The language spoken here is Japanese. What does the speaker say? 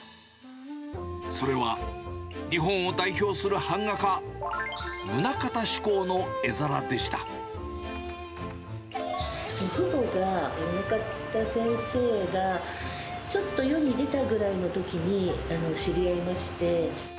それは、日本を代表する版画家、祖父母が、棟方先生がちょっと世に出たくらいのときに知り合いまして。